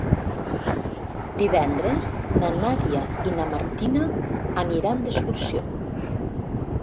Divendres na Nàdia i na Martina aniran d'excursió.